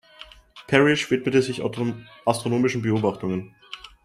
Parish widmete sich astronomischen Beobachtungen.